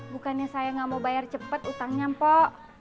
bukannya saya gak mau bayar cepet utangnya mpok